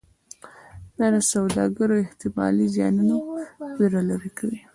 دا د سوداګرو احتمالي زیانونو ویره لرې کوي.